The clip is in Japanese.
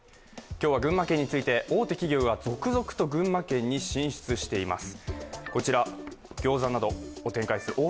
今日は群馬県について、大手企業が続々と群馬県に進出しています。